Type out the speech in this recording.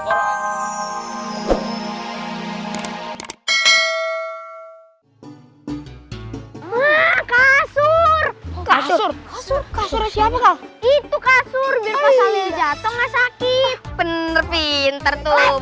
maka suruh kasur kasur kasur siapa itu kasur biar pasalnya jatuh sakit penerbintar